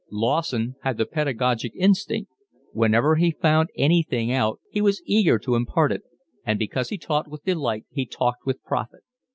Lawson had the pedagogic instinct; whenever he found anything out he was eager to impart it; and because he taught with delight he talked with profit.